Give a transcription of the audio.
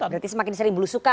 berarti semakin sering belu suka